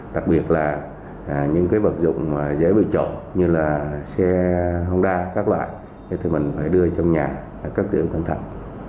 đặc biệt là những cái vật dụng dễ bị trộn như là xe hông đa các loại thì mình phải đưa trong nhà cấp tiểu cẩn thận